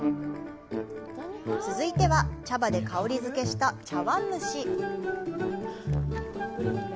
続いては、茶葉で香り付けした茶碗蒸し。